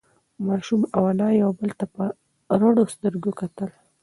ماشوم او انا یو بل ته په رډو سترگو کتل.